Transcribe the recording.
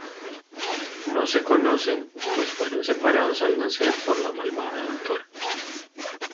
No se conocen pues fueron separados al nacer por la malvada Dra.